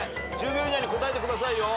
１０秒以内に答えてくださいよ。